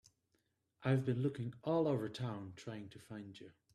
I've been looking all over town trying to find you.